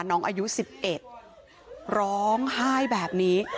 น้องอายุ๑๑ร้องไห้แบบนี้